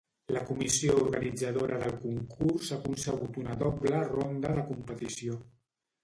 La comissió organitzadora del concurs ha concebut una dobla ronda de competició.